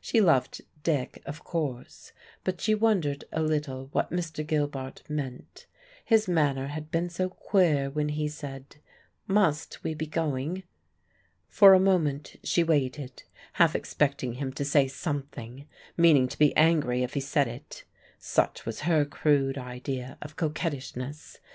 She loved Dick, of course; but she wondered a little what Mr. Gilbart meant. His manner had been so queer when he said, "Must we be going?" For a moment she waited, half expecting him to say something, meaning to be angry if he said it. Such was her crude idea of coquettishness.